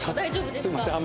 すいません